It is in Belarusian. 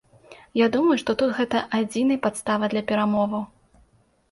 Я думаю, што тут гэта адзіны падстава для перамоваў.